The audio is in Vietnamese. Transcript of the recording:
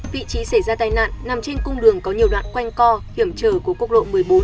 vị trí xảy ra tai nạn nằm trên cung đường có nhiều đoạn quanh co hiểm trở của quốc lộ một mươi bốn